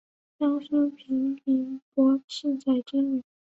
江苏平民柏士彩之女。